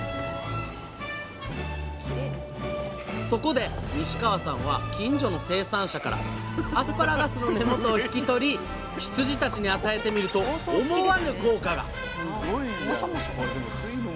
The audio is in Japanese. そこで西川さんは近所の生産者からアスパラガスの根元を引き取り羊たちに与えてみると思わぬ効果が！